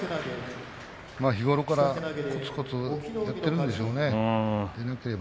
日頃からこつこつやっているんでしょうね。